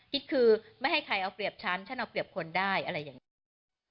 คิดคือไม่ให้ใครเอาเปรียบฉันฉันเอาเปรียบคนได้อะไรอย่างนี้